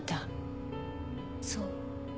そう。